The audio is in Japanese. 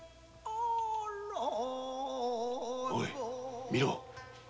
おい見ろ！